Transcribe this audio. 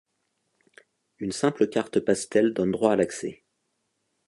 Une simple carte pastel donne droit à l'accès.